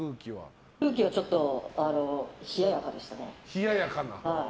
空気はちょっと冷やかでしたね。